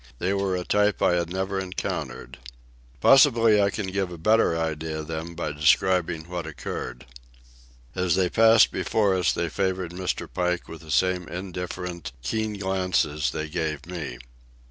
They were a type I had never encountered. Possibly I can give a better idea of them by describing what occurred. As they passed before us they favoured Mr. Pike with the same indifferent, keen glances they gave me.